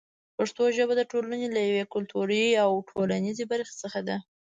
پښتو ژبه د ټولنې له یوې کلتوري او ټولنیزې برخې څخه ده.